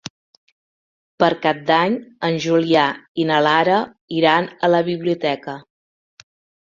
Per Cap d'Any en Julià i na Lara iran a la biblioteca.